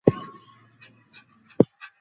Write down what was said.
د ده په شعر کې د غاړې تر غاړې اصطلاح راغلې.